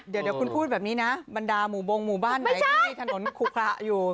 เดี๋ยวคุณพูดแบบนี้นะบรรดาหมู่บงหมู่บ้านไหนที่มีถนนคุระอยู่